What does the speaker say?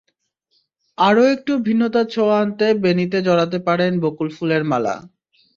আরও একটু ভিন্নতার ছোঁয়া আনতে বেণিতে জড়াতে পারেন বকুল ফুলের মালা।